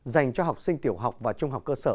dành cho học sinh tiểu học và trung học cơ sở